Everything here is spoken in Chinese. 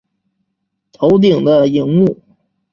头顶的萤幕